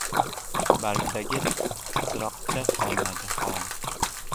Bargdagi titroqcha qolmadi holi